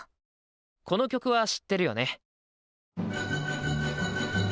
この曲は知ってるよね？